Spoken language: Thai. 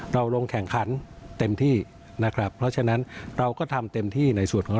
ลงแข่งขันเต็มที่นะครับเพราะฉะนั้นเราก็ทำเต็มที่ในส่วนของ